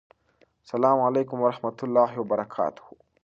سلام علیکم ورحمته الله وبرکاته